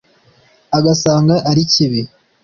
agasanga ari kibi